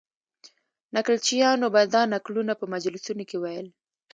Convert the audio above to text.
نکلچیانو به دا نکلونه په مجلسونو کې ویل.